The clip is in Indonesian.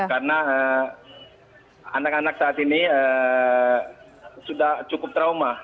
karena anak anak saat ini sudah cukup trauma